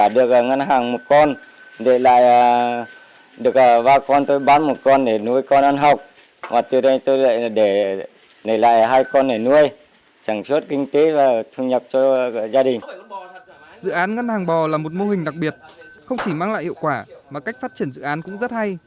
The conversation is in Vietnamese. dự án ngân hàng bò là một mô hình đặc biệt không chỉ mang lại hiệu quả mà cách phát triển dự án cũng rất hay